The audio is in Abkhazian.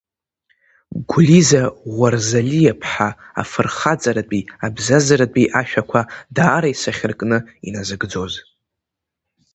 Гәлиза Ӷәарзалиа-ԥҳа афырхаҵаратәи абзазаратәи ашәақәа даара исахьаркны иназыгӡозҬ…